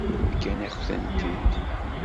Fkan-akent-ten-id.